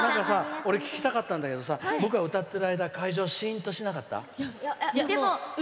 俺、聞きたかったんだけど僕が歌ってる間シーンとしてなかった？